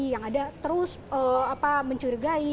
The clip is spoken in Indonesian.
yang ada terus mencurigai